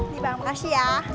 terima kasih ya